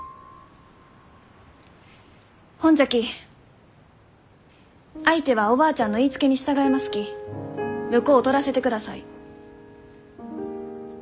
ほんじゃき相手はおばあちゃんの言いつけに従いますき婿を取らせてください。